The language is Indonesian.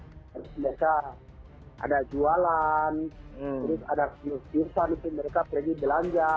mereka ada jualan terus ada perusahaan itu mereka pergi belanja